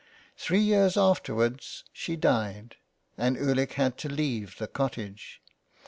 Three years afterwards she died, and Ulick had to leave the cottage.